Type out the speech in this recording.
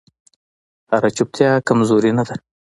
هره چوپتیا کمزوري نه ده